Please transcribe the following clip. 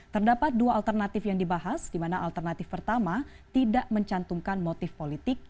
terdapat dua alternatif yang dibahas di mana alternatif pertama tidak mencantumkan motif politik